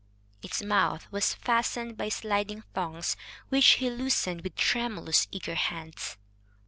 Its mouth was fastened by sliding thongs, which he loosened with tremulous, eager hands.